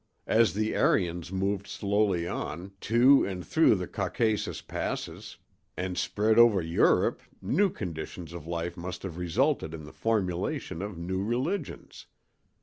As the Aryans moved slowly on, to and through the Caucasus passes, and spread over Europe, new conditions of life must have resulted in the formulation of new religions.